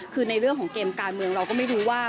คือในเรื่องของเกมการเมืองเราก็ไม่รู้ว่า